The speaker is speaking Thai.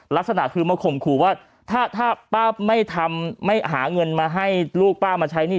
ลักษณะคือมาข่มขู่ว่าถ้าป้าไม่ทำไม่หาเงินมาให้ลูกป้ามาใช้หนี้